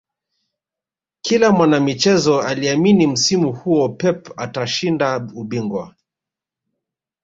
kila mwanamichezo aliamini msimu huo pep atashinda ubingwa